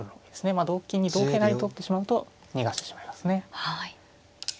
まあ同金に同桂成と取ってしまうと逃がしてしまいますね。